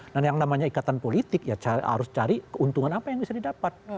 dan yang namanya ikatan politik ya harus cari keuntungan apa yang bisa didapat